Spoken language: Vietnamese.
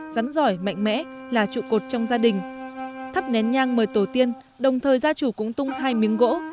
rắn giỏi mạnh mẽ là trụ cột trong gia đình thắp nén nhang mời tổ tiên đồng thời gia chủ cũng tung hai miếng gỗ